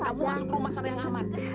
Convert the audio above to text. kamu masuk rumah sana yang aman